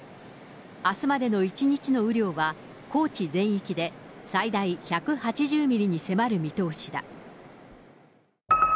あすまでの１日の雨量は高知全域で最大１８０ミリに迫る見通しだ。